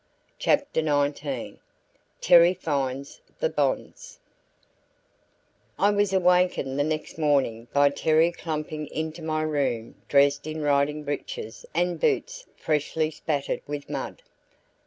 CHAPTER XIX TERRY FINDS THE BONDS I was wakened the next morning by Terry clumping into my room dressed in riding breeches and boots freshly spattered with mud.